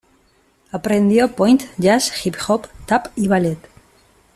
Aprendió pointe, jazz, hip-hop, tap y ballet.